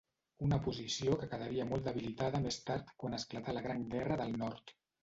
Una posició que quedaria molt debilitada més tard quan esclatà la Gran Guerra del Nord.